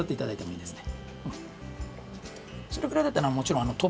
いいですね。